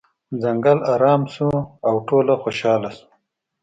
ځنګل ارامه شو او ټول خوشحاله وو.